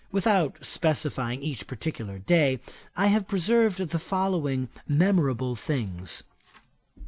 Without specifying each particular day, I have preserved the following memorable things.